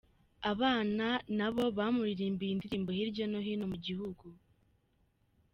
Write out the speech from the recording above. Abana nabo bamuririmbiye indirimbo hirya no hino mu gihugu.